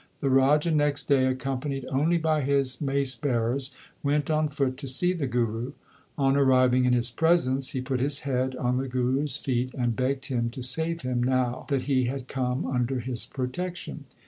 The Raja next day, accompanied only by his macebearers, went on foot to see the Guru. On arriving in his presence he put his head on the Guru s feet, and begged him to save him now that he had come under his pro tection.